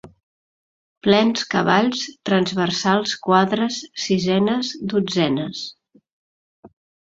Plens cavalls transversals quadres sisenes dotzenes.